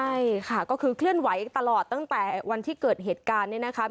ใช่ค่ะก็คือเคลื่อนไหวตลอดตั้งแต่วันที่เกิดเหตุการณ์เนี่ยนะคะ